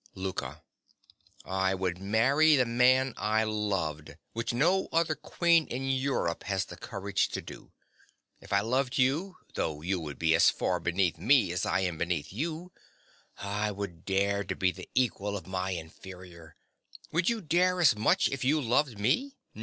LOUKA. I would marry the man I loved, which no other queen in Europe has the courage to do. If I loved you, though you would be as far beneath me as I am beneath you, I would dare to be the equal of my inferior. Would you dare as much if you loved me?